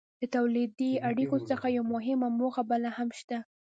له تولیدي اړیکو څخه یوه مهمه موخه بله هم شته.